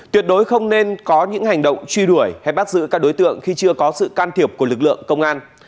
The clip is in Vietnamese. tuyệt đối không nên có những hành động truy đuổi hay bắt giữ các đối tượng khi chưa có sự can thiệp của lực lượng công an